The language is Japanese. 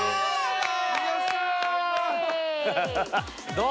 どう？